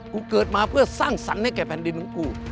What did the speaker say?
กูเกิดมาเพื่อสร้างสรรค์ให้แก่แผ่นดินของกู